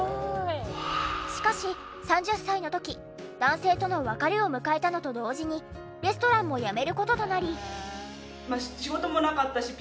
しかし３０歳の時男性との別れを迎えたのと同時にレストランも辞める事となり。